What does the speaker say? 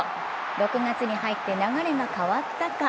６月に入って流れが変わったか？